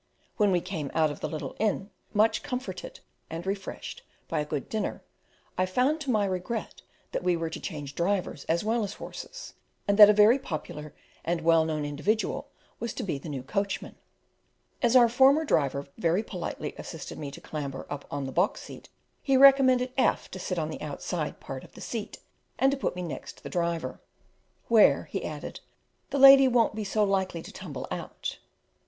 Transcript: When we came out of the little inn, much comforted and refreshed by a good dinner, I found to my regret that we were to change drivers as well as horses, and that a very popular and well known individual was to be the new coachman. As our former driver very politely assisted me to clamber up on the box seat, he recommended F to sit on the outside part of the seat, and to put me next the driver, "where," he added, "the lady won't be so likely to tumble out."